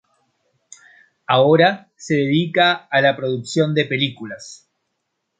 Ahora se dedica a la producción de películas